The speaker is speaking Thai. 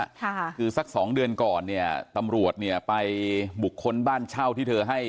ค่ะคือสักสองเดือนก่อนเนี่ยตำรวจเนี่ยไปบุคคลบ้านเช่าที่เธอให้